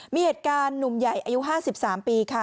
มีเหตุการณ์หนุ่มใหญ่อายุ๕๓ปีค่ะ